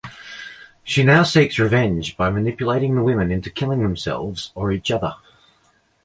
She now seeks revenge by manipulating the women into killing themselves or each other.